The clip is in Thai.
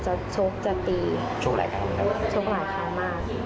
ชกหลายครั้งมาก